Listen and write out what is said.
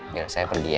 ya saya pergi ya